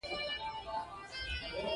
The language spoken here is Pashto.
بکس يې دروند شو.